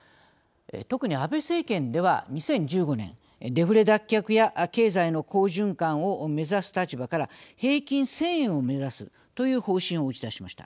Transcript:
特に安倍政権では２０１５年デフレ脱却や経済の好循環を目指す立場から平均１０００円を目指すという方針を打ち出しました。